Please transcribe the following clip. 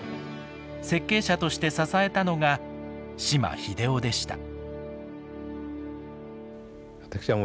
設計者として支えたのが島秀雄でした。